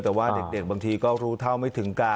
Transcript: แต่ว่าเด็กบางทีก็รู้เท่าไม่ถึงการ